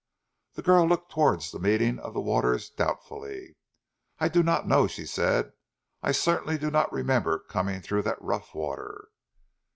The girl looked towards the meeting of the waters doubtfully. "I do not know," she said. "I certainly do not remember coming through that rough water."